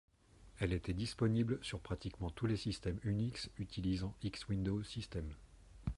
Elle était disponible sur pratiquement tous les systèmes Unix utilisant X Window System.